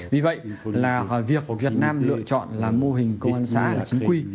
vì vậy là việc việt nam lựa chọn là mô hình công an xã là chính quy